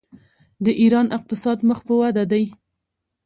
د ایران اقتصاد مخ په وده دی.